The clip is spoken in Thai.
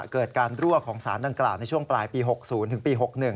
เกิดการรั่วของสารดังกล่าวในช่วงปลายปี๖๐ถึงปี๖๑